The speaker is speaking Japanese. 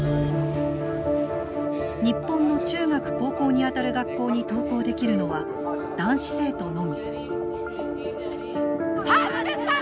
日本の中学高校にあたる学校に登校できるのは男子生徒のみ。